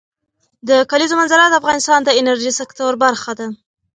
د کلیزو منظره د افغانستان د انرژۍ سکتور برخه ده.